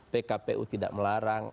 pkpu tidak melarang